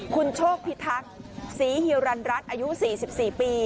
คุณโชคพิทักษ์ศรีฮิวรรณรัฐอายุ๔๔ปี